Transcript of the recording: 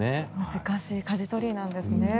難しいかじ取りなんですね。